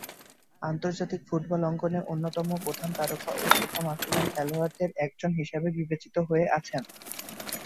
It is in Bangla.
আন্তর্জাতিক ফুটবল অঙ্গনে অন্যতম প্রধান তারকা ও প্রথম আফ্রিকান খেলোয়াড়দের একজন হিসেবে বিবেচিত হয়ে আসছেন।